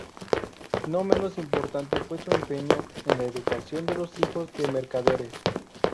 No menos importante fue su empeño en la educación de los hijos de mercaderes.